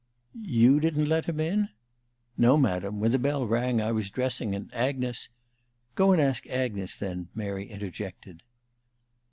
"You didn't let him in?" "No, Madam. When the bell rang I was dressing, and Agnes " "Go and ask Agnes, then," Mary interjected.